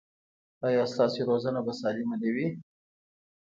ایا ستاسو روزنه به سالمه نه وي؟